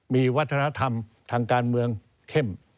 มีวัฒนธรรมทางการเมืองเข้ม